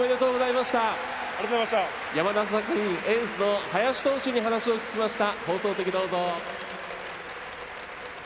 山梨学院エースの林投手にお話を聞きました。